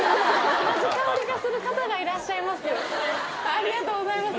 ありがとうございます。